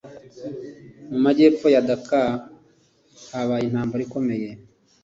Mu majyepfo ya Aziya: Dhaka habaye intampambara ikomeye